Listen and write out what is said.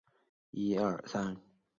林熊祥之妻陈师桓为陈宝琛之女。